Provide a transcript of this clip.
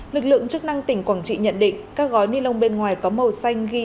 lực lượng chức năng tỉnh quảng trị nhận định các gói ni lông bên ngoài có màu xanh ghi